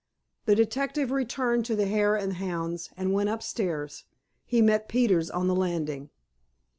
The detective returned to the Hare and Hounds, and went upstairs. He met Peters on the landing.